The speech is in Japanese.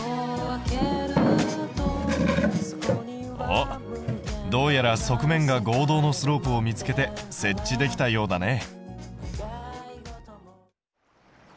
おっどうやら側面が合同のスロープを見つけて設置できたようだね。